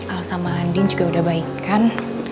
al sama andin juga udah baik kan